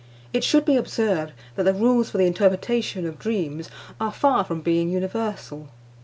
It should be observed that the rules for the interpretation of dreams are far from being universal.